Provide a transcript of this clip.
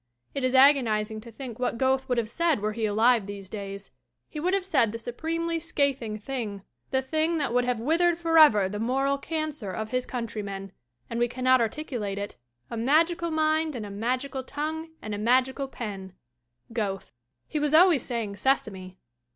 It is agonizing to think what Goethe would have said were he alive these days. He would have said the supremely scathing thing, the thing that would have withered forever the moral cancer of his countrymen, and we cannot articulate it A magical mind and a magical tongue and a mag ical pen Goethe. He was always saying sesame.